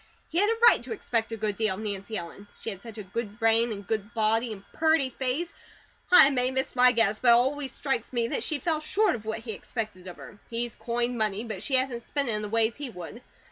He had a right to expect a good deal of Nancy Ellen. She had such a good brain, and good body, and purty face. I may miss my guess, but it always strikes me that she falls SHORT of what he expected of her. He's coined money, but she hasn't spent it in the ways he would.